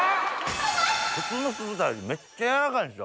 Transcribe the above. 普通の酢豚よりめっちゃ軟らかいですよ。